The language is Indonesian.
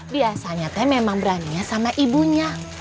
biasanya memang kerja emang berani sama ibunya